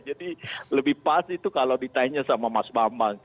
jadi lebih pas itu kalau ditanya sama mas bambang